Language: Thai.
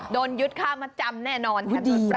โดนยึดค่ามาตรำแน่นอนห๑๐๓